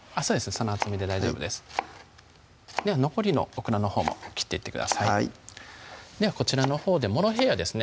その厚みで大丈夫ですでは残りのオクラのほうも切っていってくださいではこちらのほうでモロヘイヤですね